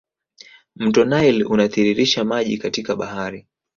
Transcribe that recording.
Mto nile unatiririsha maji katika bahari